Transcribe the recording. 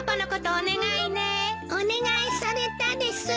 お願いされたです。